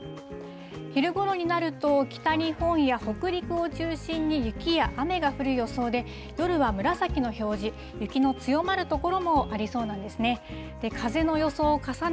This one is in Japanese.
昼ごろになると、北日本や北陸を中心に雪や雨が降る予想で、夜は紫の表示、雪の強まる所もありそうなんですね。